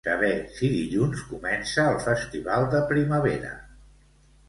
Saber si dilluns comença el festival de primavera.